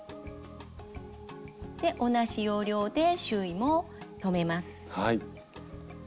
で同じ要領で周囲も留めます。